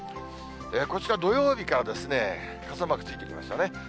こちら土曜日から傘マークついてきましたね。